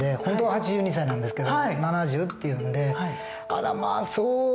本当は８２歳なんですけど７０って言うんで「あらまあそう。